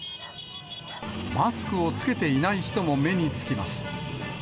マスクを着けていない人も目につきます。